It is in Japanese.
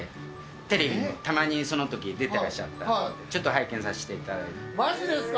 テレビの、たまにそのとき出てらっしゃったんで、ちょっと拝見させていただまじですか。